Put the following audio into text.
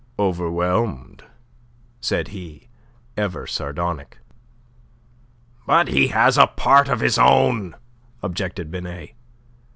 "Overwhelmed," said he, ever sardonic. "But he has a part of his own," objected Binet.